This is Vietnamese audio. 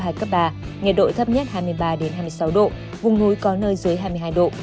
nhiệt độ thấp nhất hai mươi ba hai mươi sáu độ vùng núi có nơi dưới hai mươi hai độ